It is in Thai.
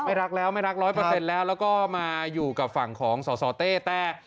รักแล้วไม่รักร้อยเปอร์เซ็นต์แล้วแล้วก็มาอยู่กับฝั่งของสสเต้แต่